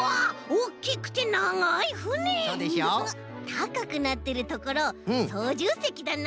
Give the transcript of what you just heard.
たかくなってるところそうじゅうせきだな！？